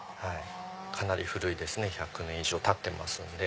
かなり古いですね１００年以上たってますので。